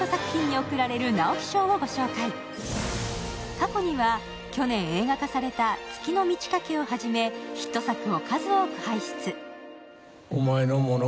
過去には去年映画化された「月の満ち欠け」をはじめヒット作を数多く輩出。